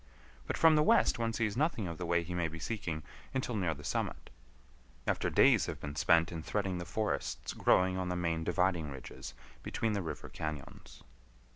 But from the west one sees nothing of the way he may be seeking until near the summit, after days have been spent in threading the forests growing on the main dividing ridges between the river cañons.